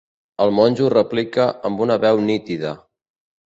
El monjo replica amb una veu nítida.